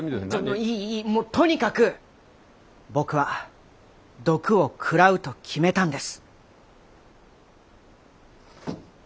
いいいいもうとにかく僕は毒を食らうと決めたんです。